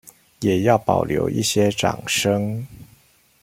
也要保留一些掌聲